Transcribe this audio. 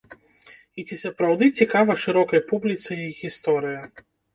І ці сапраўды цікава шырокай публіцы іх гісторыя?